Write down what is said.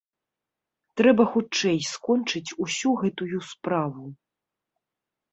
Трэба хутчэй скончыць усю гэтую справу.